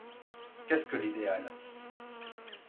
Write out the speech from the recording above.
Qu’est-ce que l’idéal?